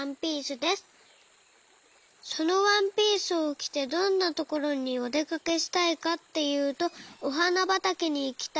そのワンピースをきてどんなところにおでかけしたいかっていうとおはなばたけにいきたいです。